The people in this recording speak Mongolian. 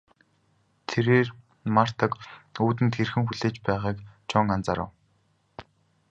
Тэрээр Мартаг үүдэнд хэрхэн хүлээж байгааг Жон анзаарав.